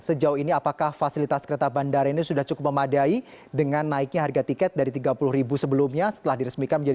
sejauh ini apakah fasilitas kereta bandara ini sudah cukup memadai dengan naiknya harga tiket dari rp tiga puluh sebelumnya setelah diresmikan